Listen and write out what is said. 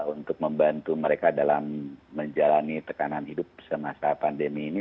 untuk membantu mereka dalam menjalani tekanan hidup semasa pandemi ini